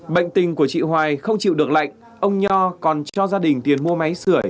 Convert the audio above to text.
bệnh tình của chị hoài không chịu được lạnh ông nho còn cho gia đình tiền mua máy sửa